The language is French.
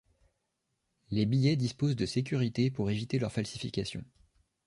Les billets disposent de sécurités pour éviter leur falsification.